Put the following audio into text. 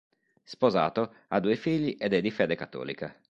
Sposato, ha due figli ed è di fede cattolica.